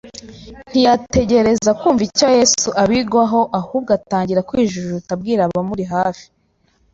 ntiyategereza kumva icyo Yesu abigwaho ahubwo atangira kwijujuta abwira abamuri hafi